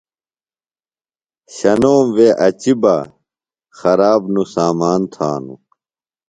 شنوم وے اچیۡ بہ ، خراب نوۡ سامان تھانوۡ